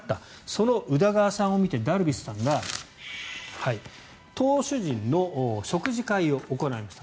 その宇田川さんを見てダルビッシュさんが投手陣の食事会を行いました。